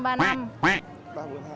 em cầm cho